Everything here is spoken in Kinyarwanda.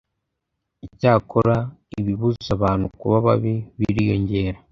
Icyakora ibibuza abantu kuba babi biriyongera